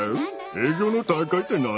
営業の大会って何ワン！